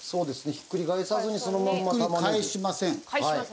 ひっくり返さずにそのまんま玉ねぎ。ひっくり返しません。